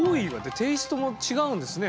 テーストも違うんですね